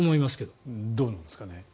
どうなんですかね。